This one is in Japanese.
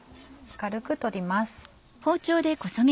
軽く取ります。